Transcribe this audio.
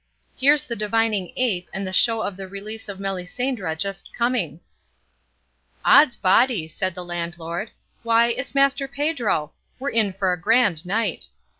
Here's the divining ape and the show of the Release of Melisendra just coming." "Ods body!" said the landlord, "why, it's Master Pedro! We're in for a grand night!"